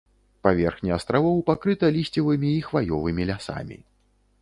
Паверхня астравоў пакрыта лісцевымі і хваёвымі лясамі.